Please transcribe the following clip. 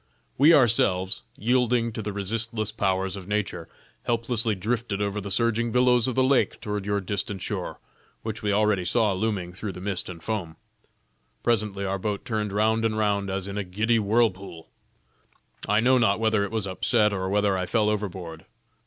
We ourselves, yielding to the resistless powers of nature, helplessly drifted over the surging billows of the lake toward your distant shore, which we already saw looming through the mist and foam. Presently our boat turned round and round as in a giddy whirlpool; I know not whether it was upset, or whether I fell overboard.